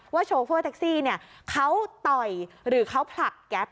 ว่าโชฟอร์แท็กซี่เขาต่อยหรือเขาผลักแกรป